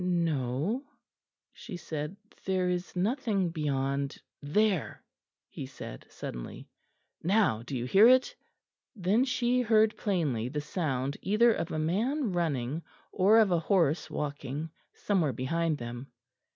"No," she said, "there is nothing beyond " "There!" he said suddenly; "now do you hear it?" Then she heard plainly the sound either of a man running, or of a horse walking, somewhere behind them.